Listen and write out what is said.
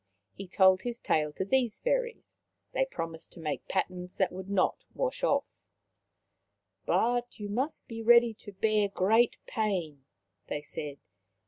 He told his tale to these Fairies. They prom ised to make patterns that would not wash off ;' but you must be ready to bear great pain," they said.